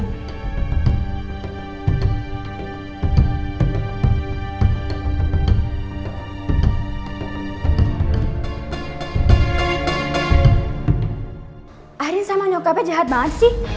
akhirnya sama nyokapnya jahat banget sih